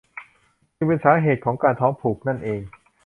จึงเป็นสาเหตุของการท้องผูกนั่นเอง